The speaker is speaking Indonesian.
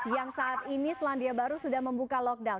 yang saat ini selandia baru sudah membuka lockdown